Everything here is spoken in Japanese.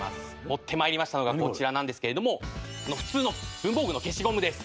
持って参りましたのがこちらなんですけれども普通の文房具の消しゴムです。